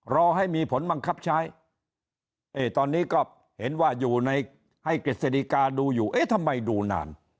รอให้มีผลบังคับใช้ตอนนี้ก็เห็นว่าอยู่ในให้กฤษฎิกาดูอยู่เอ๊ะทำไมดูนาน